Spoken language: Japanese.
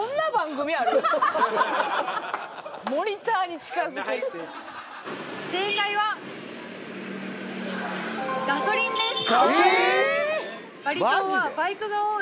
モニターに近づく正解は「ガソリン」です